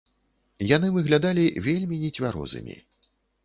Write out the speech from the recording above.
Яны выглядалі вельмі нецвярозымі.